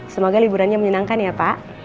semoga liburannya menyenangkan ya pak